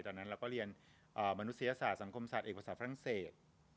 ตอนนั้นเราก็เรียนมนุษยศาสตสังคมศาสตเอกภาษาฝรั่งเศส